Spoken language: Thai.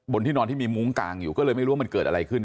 ที่นอนที่มีมุ้งกางอยู่ก็เลยไม่รู้ว่ามันเกิดอะไรขึ้น